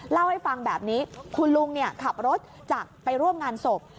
เล่าให้ฟังแบบนี้คุณลุงขับรถจากไปร่วมงานศพ